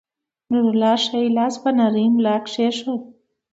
نورالله ښے لاس پۀ نرۍ ملا کېښود